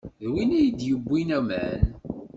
D winna i d-iwwin aman